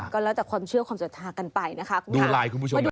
ก็แล้วแต่ความเชื่อความสนุกกันไปนะคะคุณผู้ชม